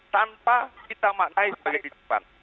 tanpa kita maknai sebagai titipan